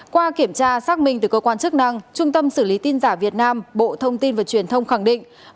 qua kiểm tra xác minh từ cơ quan chức năng trung tâm xử lý tin giả việt nam bộ thông tin và truyền thông khẳng định